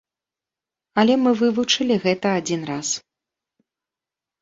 Але мы вывучылі гэта адзін раз.